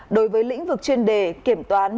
đối với lĩnh vực chuyên đề kiểm toán